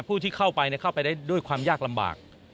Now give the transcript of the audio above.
ผู้ที่เข้าไปเข้าไปได้ด้วยความยากลำบาก